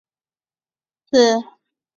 拆除破坏警方架设之拒马